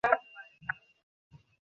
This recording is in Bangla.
রিসিভ করে কথা বলো!